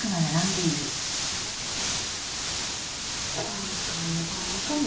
何かもう駄目かも。